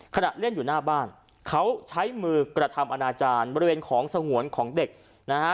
ขณะเล่นอยู่หน้าบ้านเขาใช้มือกระทำอนาจารย์บริเวณของสงวนของเด็กนะฮะ